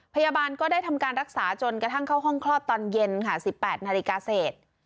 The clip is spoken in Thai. พยาบาลก็ได้ทำการรักษาจนกระทั่งเข้าห้องคลอดตอนเย็นค่ะ๑๘นาฬิกาเศษ